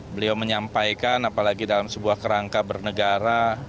beliau menyampaikan apalagi dalam sebuah kerangka bernegara